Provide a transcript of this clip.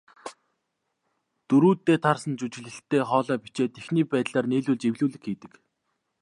Дүрүүддээ таарсан жүжиглэлттэй хоолой бичээд, эхний байдлаар нийлүүлж эвлүүлэг хийдэг.